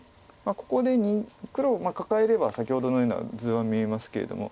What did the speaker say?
ここで黒をカカえれば先ほどのような図は見えますけれども。